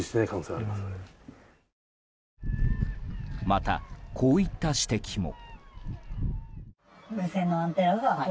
またこういった指摘も。